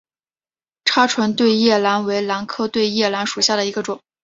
叉唇对叶兰为兰科对叶兰属下的一个种。